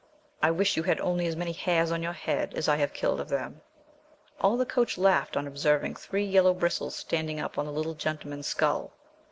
I wish you had only as many hairs on your head as I have killed of them." All the coach laughed on observing three yellow bristles standing up on the little gentleman's skull.